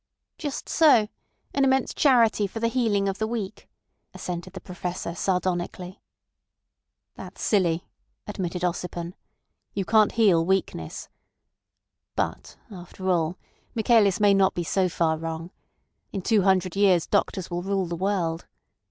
"Just so. An immense charity for the healing of the weak," assented the Professor sardonically. "That's silly," admitted Ossipon. "You can't heal weakness. But after all Michaelis may not be so far wrong. In two hundred years doctors will rule the world.